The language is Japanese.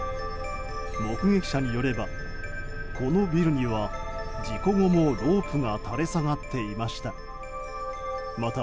目撃者によればこのビルには事故後もロープが垂れ下がっていました。